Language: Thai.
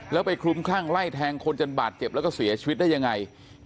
แล้วไปคลุมคลั่งไล่แทงคนจนบาดเจ็บแล้วก็เสียชีวิตได้ยังไง